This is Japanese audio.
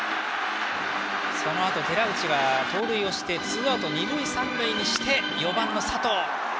そのあと寺内は盗塁をしてツーアウト二塁三塁にして４番の佐藤。